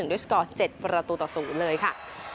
ด้วยสกอร์๗ประตูต่อ๐เลยค่ะ